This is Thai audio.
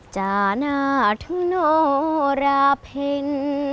จานาธโนราเพ็ญ